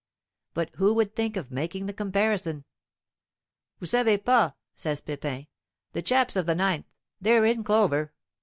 But who would think of making the comparison? "Vous savez pas," says Pepin, "the chaps of the 9th, they're in clover!